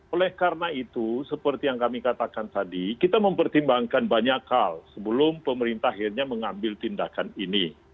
oleh karena itu seperti yang kami katakan tadi kita mempertimbangkan banyak hal sebelum pemerintah akhirnya mengambil tindakan ini